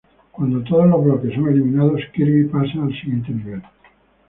Cuando todos los bloques son eliminados, Kirby pasa al siguiente nivel.